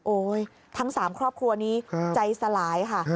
โอ๊ยทั้งสามครอบครัวนี้ใจสลายค่ะ